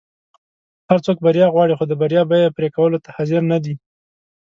هر څوک بریا غواړي خو د بریا بیی پری کولو ته حاضر نه دي.